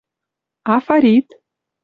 — А Фарит?